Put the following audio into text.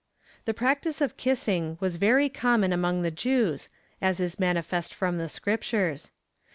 The practice of kissing was very common among the Jews, as is manifest from the Scriptures.